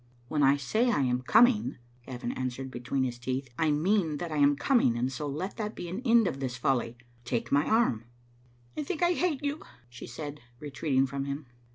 " When I say I am coming," Gavin answered between his teeth, " I mean that I am coming, and so let that be an end of this folly. Take my arm. "" I think I hate you," she said, retreating from him.